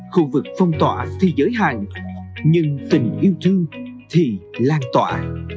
khu vực phong tỏa thì giới hạn nhưng tình yêu thương thì lan tỏa